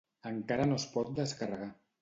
Encara no es pot descarregar.